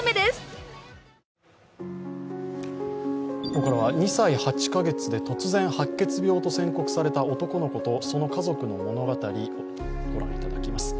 ここからは２歳８か月で突然白血病と宣告された男の子とその家族の物語、ご覧いただきます。